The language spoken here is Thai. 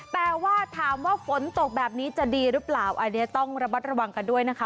แต่ว่าถามว่าฝนตกแบบนี้จะดีหรือเปล่าอันนี้ต้องระมัดระวังกันด้วยนะคะ